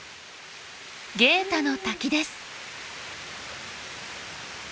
ゲータの滝です。